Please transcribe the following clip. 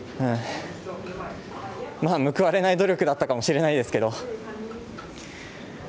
まあ、報われない努力だったかもしれないですけど。